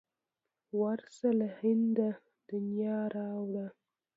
ورشه له هنده د نیا را وړه.